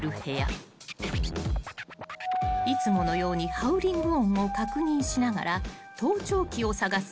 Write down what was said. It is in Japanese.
［いつものようにハウリング音を確認しながら盗聴器を探す